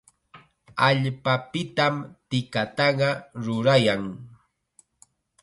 Allpapitam tikataqa rurayan.